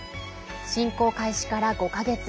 侵攻開始から５か月。